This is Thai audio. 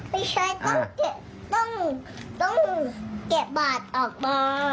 ไม่ใช่ต้องเกะบาทออกมา